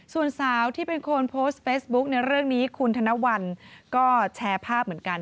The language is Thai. ส่วนสาวที่เป็นคนโพสต์เฟซบุ๊คในเรื่องนี้คุณธนวัลก็แชร์ภาพเหมือนกัน